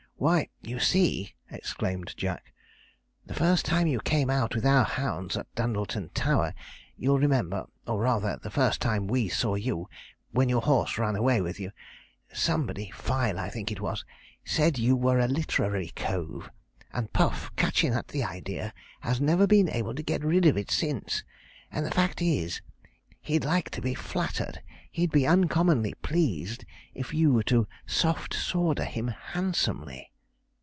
'Why, you see,' exclaimed Jack, 'the first time you came out with our hounds at Dundleton Tower, you'll remember or rather, the first time we saw you, when your horse ran away with you somebody, Fyle, I think it was, said you were a literary cove; and Puff, catchin' at the idea, has never been able to get rid of it since: and the fact is, he'd like to be flattered he'd be uncommonly pleased if you were to "soft sawder" him handsomely.'